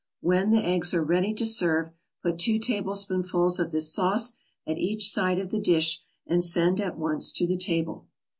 When the eggs are ready to serve, put two tablespoonfuls of this sauce at each side of the dish, and send at once to the table.